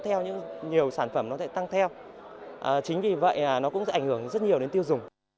theo nhiều sản phẩm nó sẽ tăng theo chính vì vậy nó cũng sẽ ảnh hưởng rất nhiều đến tiêu dùng